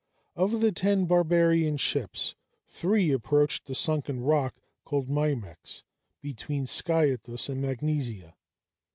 Of the ten barbarian ships, three approached the sunken rock called Myrmex, between Sciathus and Magnesia.